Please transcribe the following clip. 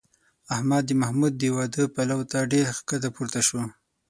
احمد د محمود د واده پلو ته ډېر ښکته پورته شو.